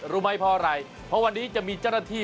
รู้ไหมเพราะอะไรเพราะวันนี้จะมีเจ้าหน้าที่